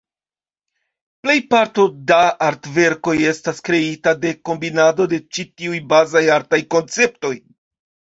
Plejparto da artverkoj estas kreita de kombinado de ĉi tiuj bazaj artaj konceptoj.